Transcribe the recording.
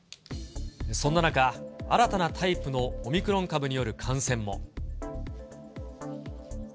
そんな中、新たなタイプのオミクロン株による感染も。